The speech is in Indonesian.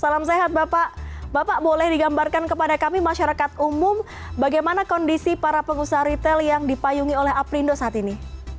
salam sehat bapak bapak boleh digambarkan kepada kami masyarakat umum bagaimana kondisi para pengusaha retail yang dipayungi oleh aprindo saat ini